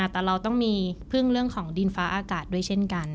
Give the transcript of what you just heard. แต่เราต้องมีพึ่งเรื่องของดินฟ้าอากาศด้วยเช่นกัน